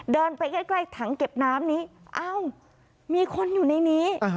เดินไปใกล้ถังเก็บน้ำนี้อ้าวมีคนอยู่ในนี้